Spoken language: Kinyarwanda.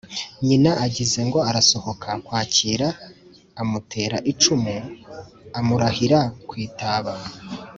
nyina agize ngo arasohoka kwakira, amutera icumu amurahira ku itaba!